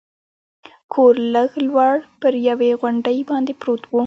کور لږ لوړ پر یوې غونډۍ باندې پروت و.